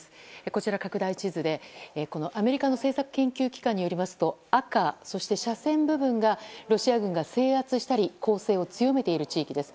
こちら拡大地図でアメリカの政策研究機関によりますと赤、そして斜線部分がロシア軍が制圧したり攻勢を強めている地域です。